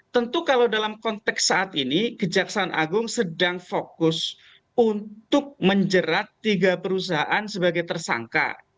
tentu kalau dalam konteks saat ini kejaksaan agung sedang fokus untuk menjerat tiga perusahaan sebagai tersangka